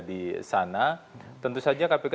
di sana tentu saja kpk